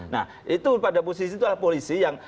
nah itu pada posisi itu adalah polisi yang